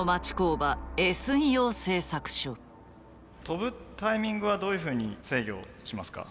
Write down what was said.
跳ぶタイミングはどういうふうに制御しますか？